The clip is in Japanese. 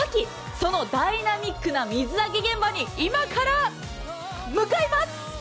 そのダイナミックな水揚げ現場に今から、向かいます！